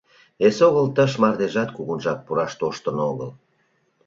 Эсогыл тыш мардежат кугунжак пураш тоштын огыл.